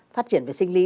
phát triển về sinh lý